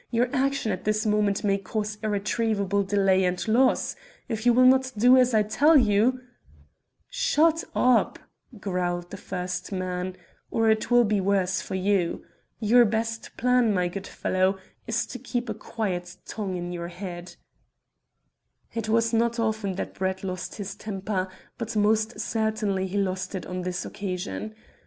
Your action at this moment may cause irretrievable delay and loss. If you will only do as I tell you " "Shut up," growled the first man, "or it will be worse for you. Your best plan, my good fellow, is to keep a quiet tongue in your head." It was not often that Brett lost his temper, but most certainly he lost it on this occasion.